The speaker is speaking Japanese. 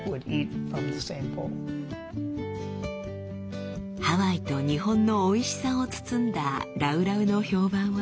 ハワイと日本のおいしさを包んだラウラウの評判は？